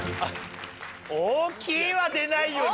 「大きい」は出ないよな。